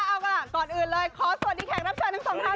เอาล่ะก่อนอื่นเลยขอสวัสดีแขกรับเชิญทั้งสองท่าน